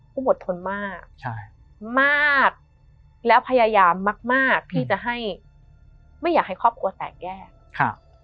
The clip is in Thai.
คุณอดทนมากมากและพยายามมากที่จะให้ไม่อยากให้ครอบครัวแตกแยก